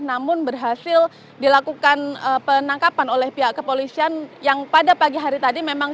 namun berhasil dilakukan penangkapan oleh pihak kepolisian yang pada pagi hari tadi memang